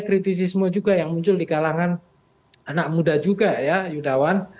kritisisme juga yang muncul di kalangan anak muda juga ya yudawan